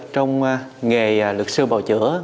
trong nghề luật sư bào chữa